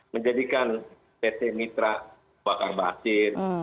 menjadikan pt mitra bakar basir